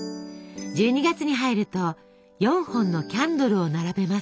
１２月に入ると４本のキャンドルを並べます。